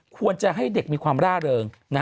ควรจะให้เด็กมีความร่าเริง